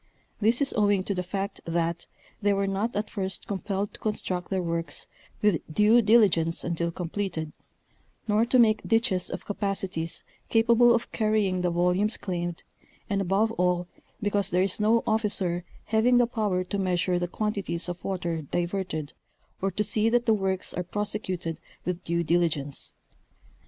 This is owing to the fact that The Trrigation Problem in Montana. 225 they were not at first compelled to construct their works, "with due diligence until completed," nor to make ditches of capacities ca pable of carrying the volumes claimed, and above all because there is no officer having the power to measure the quantities of water diverted or to see that the works are prosecuted with due dili gence.